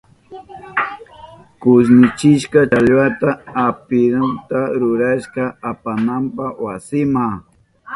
Kushnichishka challwata kapirihuta rurashka apananpa wasinma.